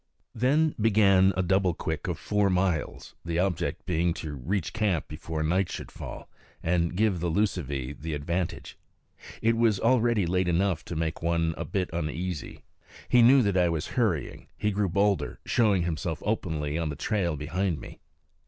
Then began a double quick of four miles, the object being to reach camp before night should fall and give the lucivee the advantage. It was already late enough to make one a bit uneasy. He knew that I was hurrying he grew bolder, showing himself openly on the trail behind me.